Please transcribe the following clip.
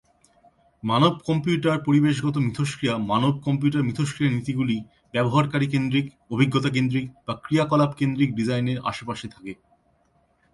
মানব-কম্পিউটার-পরিবেশগত মিথস্ক্রিয়া মানব-কম্পিউটার মিথস্ক্রিয়া নীতিগুলি ব্যবহারকারী-কেন্দ্রিক, অভিজ্ঞতা-কেন্দ্রিক বা ক্রিয়াকলাপ কেন্দ্রিক ডিজাইনের আশেপাশে থাকে।